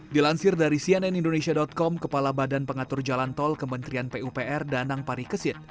dilansir dari cnn indonesia com kepala badan pengatur jalan tol kementerian pupr danang parikesit